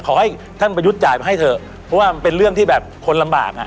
ขอให้ท่านประยุทธ์จ่ายมาให้เถอะเพราะว่ามันเป็นเรื่องที่แบบคนลำบากอ่ะ